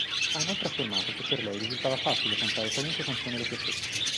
Ha inoltre affermato che per lei risultava facile cantare qualunque canzone le piacesse.